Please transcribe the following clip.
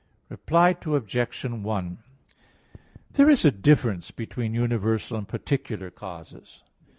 Reply Obj. 1: There is a difference between universal and particular causes.